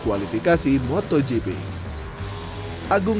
dengan membiasakan membalap motorsport berstandar internasional